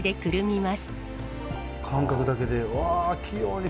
感覚だけでわあ器用に。